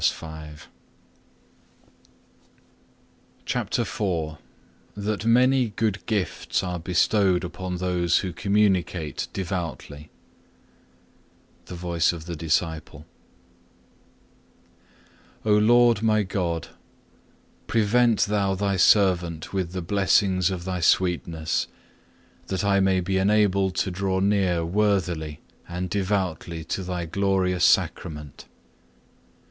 (5) Psalm cxlvii. 5. CHAPTER IV That many good gifts are bestowed upon those who Communicate devoutly The Voice of the Disciple O Lord my God, prevent Thou Thy servant with the blessings of Thy sweetness, that I may be enabled to draw near worthily and devoutly to Thy glorious Sacrament.